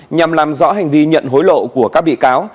nhằm làm rõ hành vi nhận hối lộ của các bị cáo